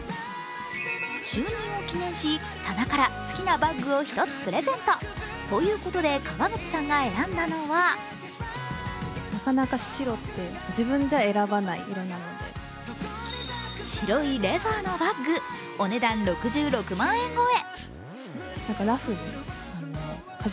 就任を記念し、棚から好きなバッグを１つプレゼント。ということで川口さんが選んだのは白いレザーのバッグ、お値段６６万円超え。